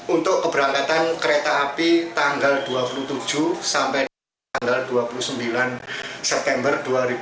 untuk keberangkatan kereta api tanggal dua puluh tujuh sampai tanggal dua puluh sembilan september dua ribu dua puluh